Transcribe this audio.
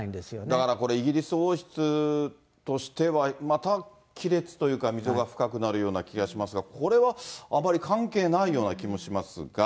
だから、これ、イギリス王室としてはまた亀裂というか、溝が深くなるような気がしますが、これはあまり関係ないような気もしますが。